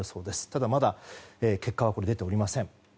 ただ、まだ結果は出ておりません。